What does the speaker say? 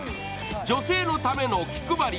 女性のための気配り